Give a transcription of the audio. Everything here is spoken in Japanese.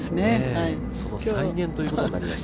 その再現ということになりました。